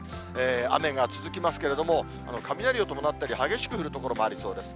雨が続きますけども、雷を伴ったり、激しく降る所もありそうです。